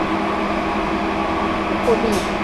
纽埃元是新西兰联系国纽埃的货币。